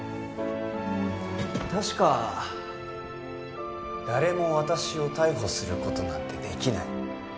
確か「誰も私を逮捕することなんてできない」